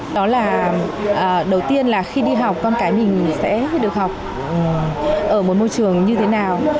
đó là đầu tiên là khi đi học con cái mình sẽ được học ở một môi trường như thế nào